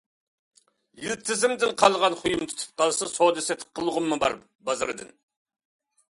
يىلتىزىمدىن قالغان خۇيۇم تۇتۇپ قالسا، سودا-سېتىق قىلغۇممۇ بار بازىرىدىن.